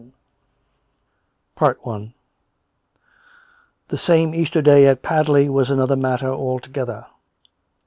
I CHAPTER VII The same Easter Day at Padley was another matter altogether.